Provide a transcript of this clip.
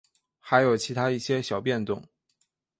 还有其它一些小变动。